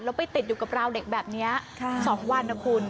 แล้วไปติดอยู่กับราวเด็กแบบนี้๒วันนะคุณ